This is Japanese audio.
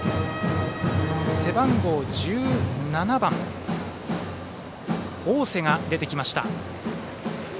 背番号１７番の大瀬が出てきました。